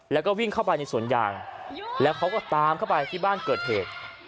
แล้วก็วิ่งเข้าไปในสวนยางแล้วเขาก็ตามเข้าไปที่บ้านเกิดเหตุ